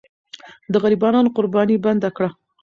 د غریبانو قرباني بنده کړه.